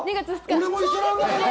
俺も一緒なんだけど！